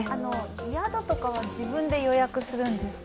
宿とかは自分で予約するんですか？